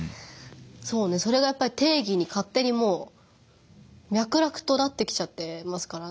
そうねそれがやっぱり定義にかってにもうみゃくらくとなってきちゃってますからね。